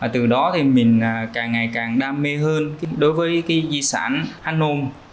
từ đó thì mình càng ngày càng đam mê hơn đối với cái di sản hán nôn